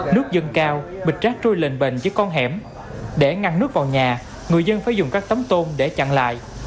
nước dân cao bịt rác trôi lên bền với con hẻm để ngăn nước vào nhà người dân phải dùng các tấm tôn để chặn lại